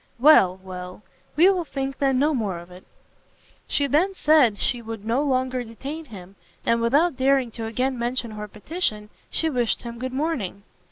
"Well, well, we will think then no more of it." She then said she would no longer detain him, and, without daring to again mention her petition, she wished him good morning.